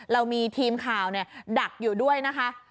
เรามีทีมข่าวดักอยู่ด้วยนะคะ